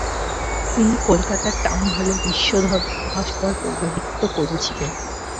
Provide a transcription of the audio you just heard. তিনি কলকাতার টাউন হলে বিশ্বধর্মমহাসভার পৌরোহিত্য করেছিলেন।